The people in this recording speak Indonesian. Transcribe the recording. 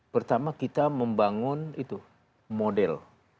pertama kita membangun itu model